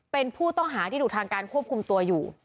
เป็นผู้ต้องหาที่ถูกทางการควบคุมตัวอยู่